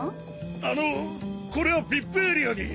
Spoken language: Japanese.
あのこれはＶＩＰエリアに。